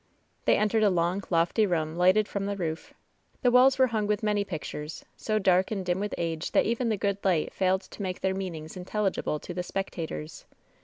They entered a long, lofty room lighted from the roof. The walls were hung with many pictures, so dark and dim with age that even the good light failed to make their meanings intelligible to the spectators.